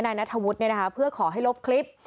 นายณฑวุฒิเนี่ยนะคะเพื่อขอให้ลบคลิป